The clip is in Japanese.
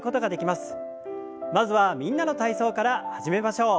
まずは「みんなの体操」から始めましょう。